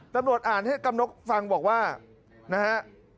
กำหนังนกฟังบอกว่านะฮะ